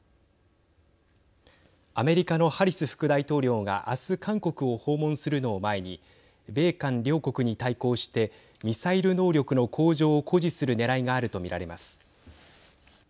アメリカのハリス副大統領が明日、韓国を訪問するのを前に米韓両国に対抗してミサイル能力の向上を誇示するねらいがあると見られます。